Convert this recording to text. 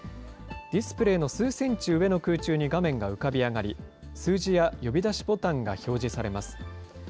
ディスプレーの数センチ上の空中に画面が浮かび上がり、数字や呼び出しボタンが表示されます。